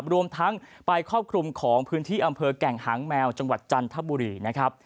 รวมทั้งไปครอบคลุมของพื้นที่อำเภอแก่งหางแมวจังหวัดจันทบุรีนะครับ